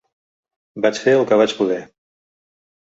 Vaig fer el que vaig poder.